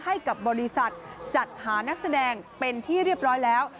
ให้กับบริษัทจัดหานักแสดงเป็นที่เรียบร้อยแล้ว